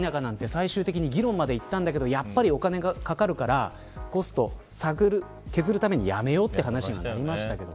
最終的に議論までいったんだけどやっぱりお金がかかるからコストを削るためにやめようって話がありました。